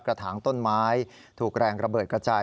ถางต้นไม้ถูกแรงระเบิดกระจาย